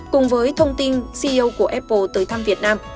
cùng với thông tin ceo của apple tới thăm việt nam